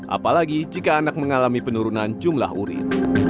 apalagi jika anak mengalami penurunan jumlah urin